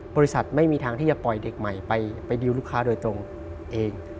บริษัทไม่มีทางที่จะปล่อยเด็กใหม่ไปดิวลูกค้าโดยตรงเอง